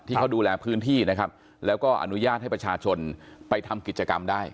ที่เขาดูแลพื้นที่นะครับแล้วก็อนุญาตให้ประชาชนไปทำกิจกรรมได้